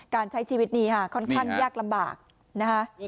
การใช้ชีวิตนี้ค่ะค่อนข้างยากลำบากนะคะ